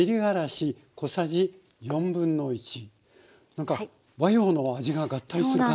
何か和洋の味が合体する感じ。